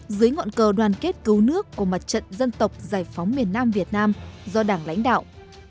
dưới ngọn cờ đoàn kết cứu nước của mặt trận dân tộc giải phóng miền nam việt nam do đảng lãnh đạo